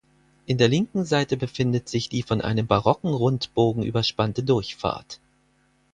In der linken Seite befindet sich die von einem barocken Rundbogen überspannte Durchfahrt.